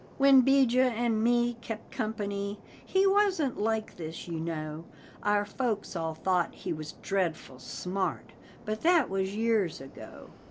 When 'Bijah and me kep' company, he wasn't like this, you know; Our folks all thought he was dreadful smart but that was years ago.